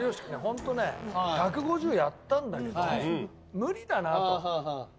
ホントね１５０やったんだけど無理だなと。